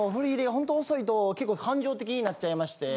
ホント遅いと結構感情的になっちゃいまして。